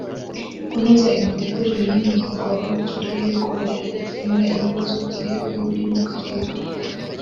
Kunoza imitegurire y’imihigo y’Uturere ku buryo ikemura ibibazo byihariye biri mu Karere